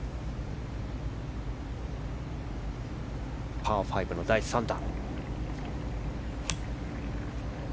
パー５の第３打。